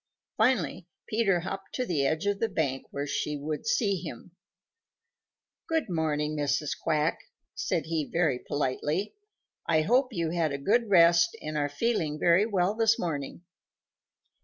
Finally Peter hopped to the edge of the bank where she would see him. "Good morning, Mrs. Quack," said he very politely. "I hope you had a good rest and are feeling very well this morning."